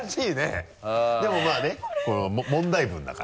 でもまぁね問題文だから。